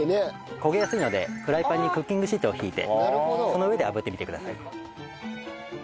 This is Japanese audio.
焦げやすいのでフライパンにクッキングシートを敷いてその上で炙ってみてください。